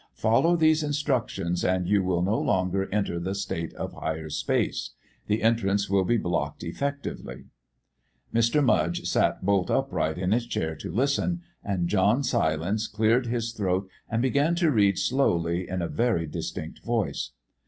Follow these instructions and you will no longer enter the state of Higher Space. The entrances will be blocked effectively." Mr. Mudge sat bolt upright in his chair to listen, and John Silence cleared his throat and began to read slowly in a very distinct voice.